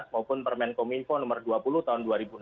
maupun permen kominfo nomor dua puluh tahun dua ribu enam belas